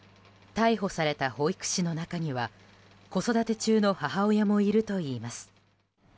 逮捕された保育士の中には子育て中の母親もいるといいます。